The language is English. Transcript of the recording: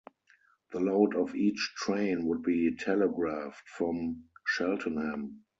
The load of each train would be telegraphed from Cheltenham.